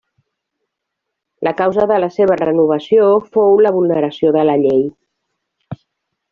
La causa de la seva renovació fou la vulneració de la llei.